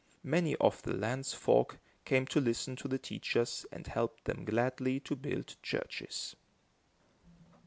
Many of the land's folk came to listen to the teachers and helped them gladly to build churches.